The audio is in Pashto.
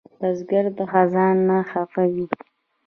بزګر د خزان نه خفه وي